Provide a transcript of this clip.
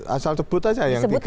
asal debut saja yang tiga